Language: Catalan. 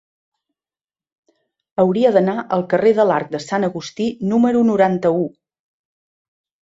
Hauria d'anar al carrer de l'Arc de Sant Agustí número noranta-u.